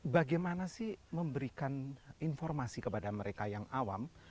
bagaimana sih memberikan informasi kepada mereka yang awam